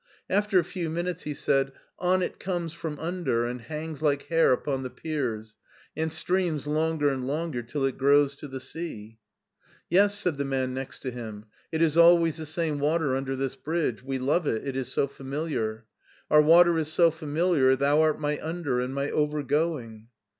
After a few minutes he said :" On it comes from under, and hangs like hair upon the piers, and streams longer and longer till it grows to the sea." " Yes," said the man next to him :" it is always the same water under this bridge; we love it, it is so familiar : "Our water is so familiar. Thou art xny under and my over going.